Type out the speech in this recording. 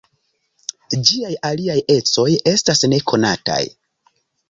Ĝiaj aliaj ecoj estas nekonataj.